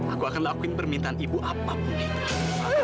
aku akan lakuin permintaan ibu apapun itu